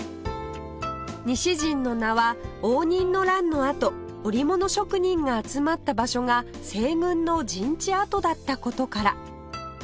西陣の名は応仁の乱のあと織物職人が集まった場所が西軍の陣地跡だった事から